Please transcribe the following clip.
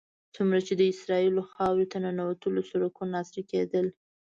څومره چې د اسرائیلو خاورې ته ننوتلو سړکونه عصري کېدل.